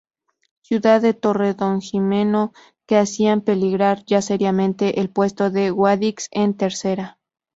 Ciudad de Torredonjimeno que hacían peligrar ya seriamente el puesto del Guadix en Tercera.